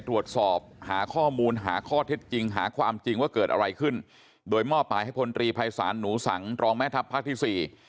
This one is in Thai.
แต่พอมาเจอเหตุการณ์แบบนี้บอกผมว่าคนเป็นแม่คนเป็นแม่ก็เจ็บ